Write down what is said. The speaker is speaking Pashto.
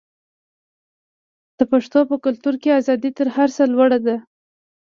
د پښتنو په کلتور کې ازادي تر هر څه لوړه ده.